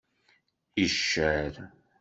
Iccer.